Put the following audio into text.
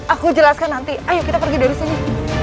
aku jelaskan nanti ayo kita pergi dari sini